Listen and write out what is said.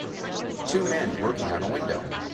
Two men working on a window.